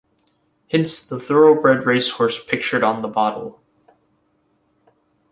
Hence the thoroughbred racehorse pictured on the bottle.